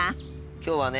今日はね